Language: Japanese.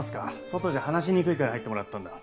外じゃ話しにくいから入ってもらったんだ。